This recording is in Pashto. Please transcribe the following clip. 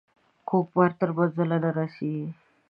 کوږ بار تر منزله نه رارسيږي.